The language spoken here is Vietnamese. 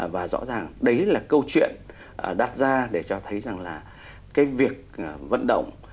và rõ ràng đấy là câu chuyện đặt ra để cho thấy rằng là cái việc vận động